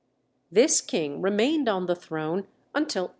This King remained on the throne until 857.